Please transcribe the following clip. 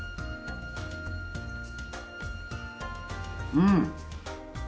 うん。